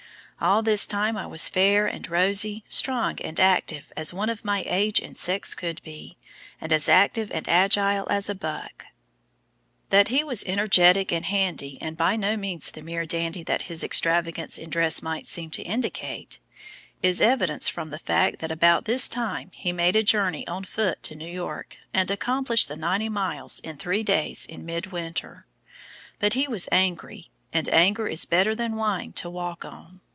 "All this time I was fair and rosy, strong and active as one of my age and sex could be, and as active and agile as a buck." That he was energetic and handy and by no means the mere dandy that his extravagance in dress might seem to indicate, is evidenced from the fact that about this time he made a journey on foot to New York and accomplished the ninety miles in three days in mid winter. But he was angry, and anger is better than wine to walk on.